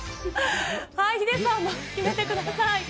ヒデさん、決めてください。